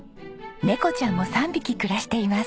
猫ちゃんも３匹暮らしています。